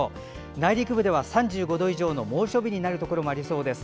内陸部では３５度以上の猛暑日になるところもありそうです。